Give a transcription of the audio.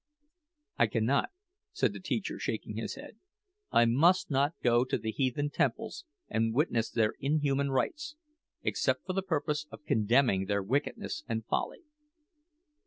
"I cannot," said the teacher, shaking his head. "I must not go to the heathen temples and witness their inhuman rites, except for the purpose of condemning their wickedness and folly."